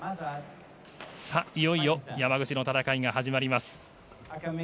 いよいよ山口の戦いが始まります。